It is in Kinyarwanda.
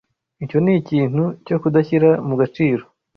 Icyo ni ikintu cyo kudashyira mu gaciro.